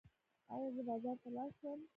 ایا زه بازار ته لاړ شم؟